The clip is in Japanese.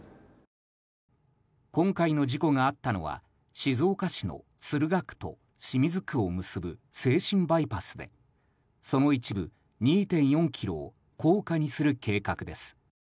今回の事故があったのは静岡市の駿河区と清水区を結ぶ静清バイパスでその一部、２．４ｋｍを高架にする計画です。